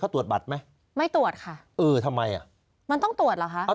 เขาตรวจบัตรไหมไม่ตรวจค่ะเออทำไมอ่ะมันต้องตรวจเหรอคะ